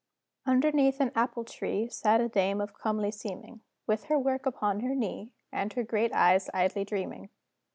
Underneath an apple tree Sat a dame of comely seeming, With her work upon her knee, And her great eyes idly dreaming.